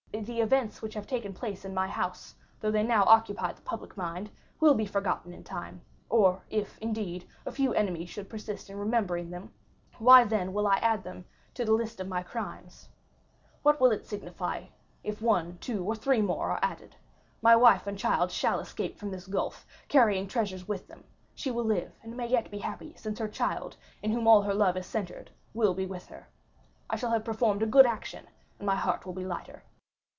The events which have taken place in my house, though they now occupy the public mind, will be forgotten in time, or if, indeed, a few enemies should persist in remembering them, why then I will add them to my list of crimes. What will it signify if one, two, or three more are added? My wife and child shall escape from this gulf, carrying treasures with them; she will live and may yet be happy, since her child, in whom all her love is centred, will be with her. I shall have performed a good action, and my heart will be lighter."